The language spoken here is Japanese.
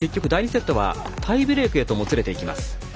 結局、第２セットはタイブレークへともつれていきます。